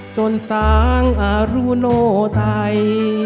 จนสร้างอารุโนไทย